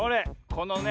このね